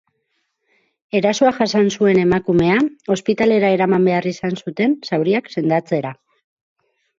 Erasoa jasan zuen emakumea osptialera eraman behar izan zuten, zauriak sendatzera.